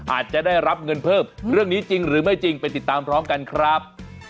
อาจจะได้รับเงินเพิ่มเรื่องนี้จริงหรือไม่จริงไปติดตามพร้อมกันครับ